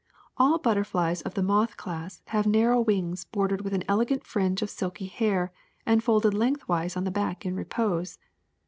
A11 butterflies of the moth class have narrow wings bordered with an elegant fringe of silky hair and folded lengthwise on the back in repose.